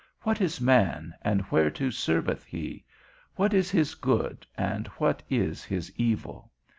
_What is man, and whereto serveth he? What is his good and what is his evil?